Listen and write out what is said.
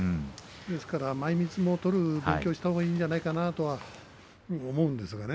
ですから、前みつを取る勉強をしたほうがいいんじゃないかなとは思うんですけれどね。